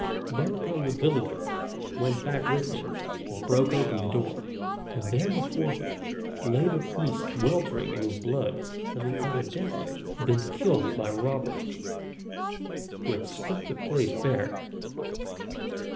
Thereupon the villagers went back with him, and broke open the door, and there before them lay the priest weltering in his blood, having evidently been killed by robbers, who had stripped the place bare.